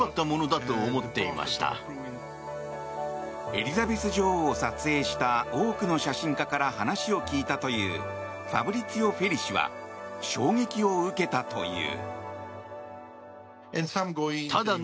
エリザベス女王を撮影した多くの写真家から話を聞いたというファブリツィオ・フェリ氏は衝撃を受けたという。